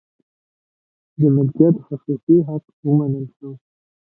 د مالکیت خصوصي حق ومنل شو.